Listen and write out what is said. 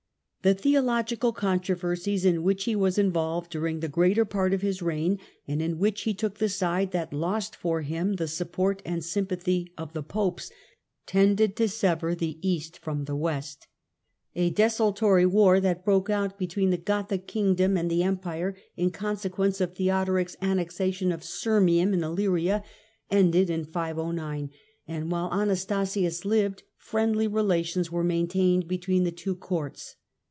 The theological controversies in which he was involved during the greater part of his reign, and in which he took the side that lost for him the support and sympathy of the Popes, tended to sever the East from the West. A desultory war that broke out between the Gothic kingdom and the Empire, in consequence of Theodoric's annexation of Sirmium, in Illyria, ended in 509, and while Anastasius lived friendly relations were main tained between the two Courts.